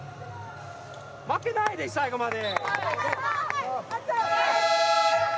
負けないで、最後まで！